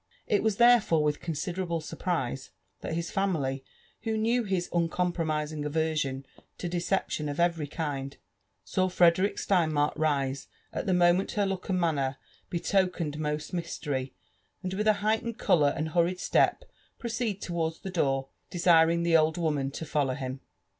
It was there fore with considerable surprise that bis family, who knew his imcom promising aversion to deception of every kind, saw Frederick Stein mark rise at the moment her look and manner betokened most mystery, and with a heightened colour and hurried step proceed towards IhO door, desiring the old woman to follow him.